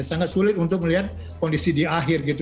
sangat sulit untuk melihat kondisi di akhir gitu